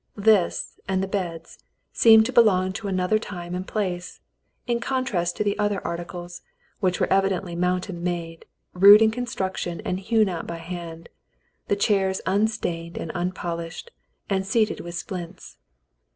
This and the beds seemed to belong to another time and place, in contrast to the other articles, which were evidently mountain made, rude in construction and hewn out by hand, the chairs unstained and unpol ished, and seated with splints.